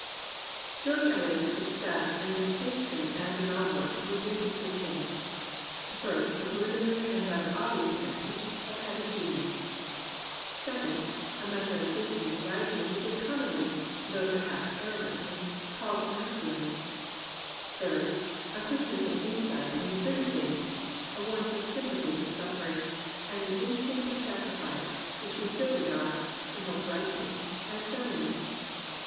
George EHot's success and distinction as a novel ist were due to three things: first, the prehminary and rather obvious advantage of having genius; second, a method of thinking and writing which is commonly (though perhaps arrogantly) called mas culine; third, a quickness of insight into certain things, a warmth of sympathy for suffering, and an instinct of sacrifice which we still regard (we hope rightly) as feminine.